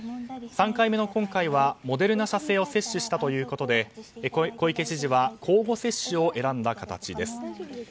３回目の今回はモデルナ社製を接種したということで小池知事は交互接種を選んだ形です。